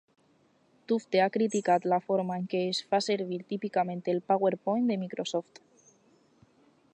Tufte ha criticat la forma en que es fa servir típicament el PowerPoint de Microsoft.